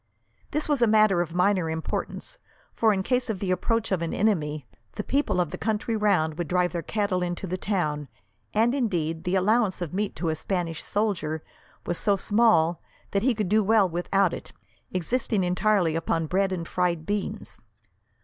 This was a matter of minor importance, for in case of the approach of an enemy, the people of the country round would drive their cattle into the town, and, indeed, the allowance of meat to a Spanish soldier was so small that he could do well without it, existing entirely upon bread and fried beans.